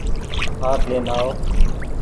کآٽ لين آئو۔